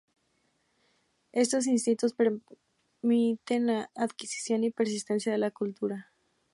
Estos instintos permiten la adquisición y persistencia de la cultura.